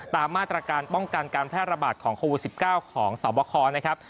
ตามมาตรการป้องกันการแพร่ระบาดของโควิด๑๙ของสวบคนะครับ